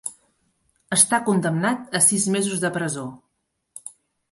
Està condemnat a sis mesos de presó.